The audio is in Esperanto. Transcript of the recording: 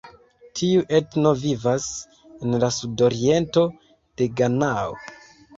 Tiu etno vivas en la sudoriento de Ganao.